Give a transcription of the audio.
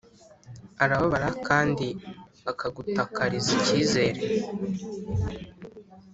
arababara kandi akagutakariza icyizere